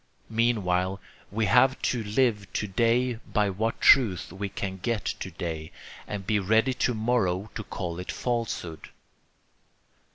Meanwhile we have to live to day by what truth we can get to day, and be ready to morrow to call it falsehood.